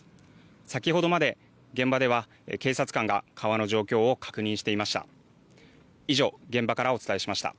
先ほどまで現場では警察官が川の状況を確認していました。